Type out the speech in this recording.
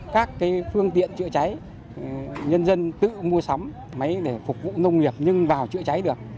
các phương tiện chữa cháy nhân dân tự mua sắm máy để phục vụ nông nghiệp nhưng vào chữa cháy được